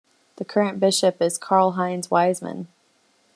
The current bishop is Karl-Heinz Wiesemann.